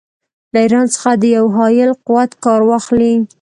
له ایران څخه د یوه حایل قوت کار واخلي.